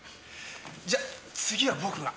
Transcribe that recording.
じゃあ次は僕が。